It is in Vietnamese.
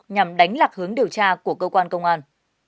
nhằm đánh lạc hướng điều tra của cơ quan công an